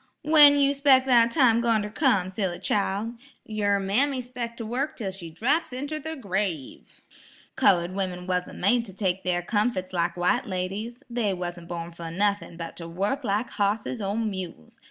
"When you 'spec' that time goin' ter come, silly chile? yer mammy 'spec' to wurk 'tell she draps inter the grave. Colored women wasn't made to take their comfit lak white ladies. They wasn't born fer nuthin' but ter wurk lak hosses or mules.